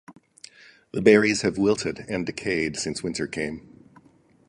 The berries have wilted and decayed since winter came.